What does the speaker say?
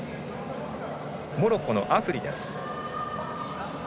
モロッコのアフリです。